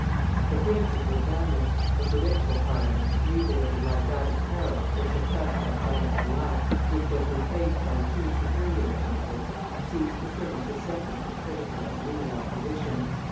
The princes were banished; the provincial Parliaments, mutilated like that of Paris or suppressed like that of Rouen, which was replaced by two superior councils, ceased to furnish a centre for critical and legal opposition.